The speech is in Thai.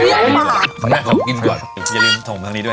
อย่าลืมส่งมาทางนี้ด้วย